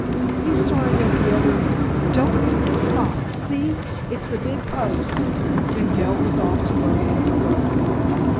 He started at the other end. Don't leave this spot. See, it's the big post " and Dell was off to locate her brother.